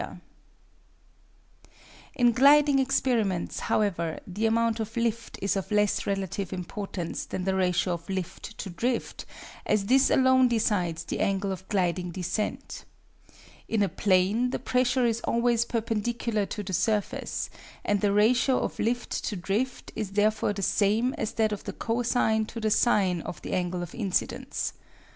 In gliding experiments, however, the amount of lift is of less relative importance than the ratio of lift to drift, as this alone decides the angle of gliding descent. In a plane the pressure is always perpendicular to the surface, and the ratio of lift to drift is therefore the same as that of the cosine to the sine of the angle of incidence.